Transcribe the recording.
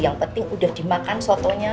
yang penting udah dimakan sotonya